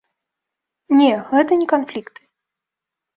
Не, гэта не канфлікты.